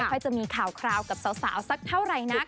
ค่อยจะมีข่าวคราวกับสาวสักเท่าไหร่นัก